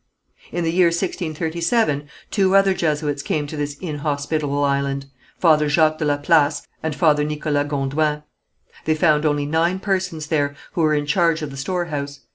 In the year 1637, two other Jesuits came to this inhospitable island, Father Jacques de la Place and Father Nicholas Gondoin. They found only nine persons there, who were in charge of the storehouse.